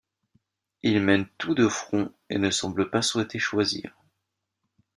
Il mène tout de front et ne semble pas souhaiter choisir.